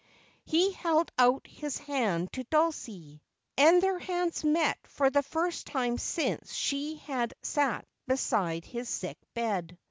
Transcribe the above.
He held out hi* hand to Dulcie, and their hands met for the first time since she had sat beside his sick bed.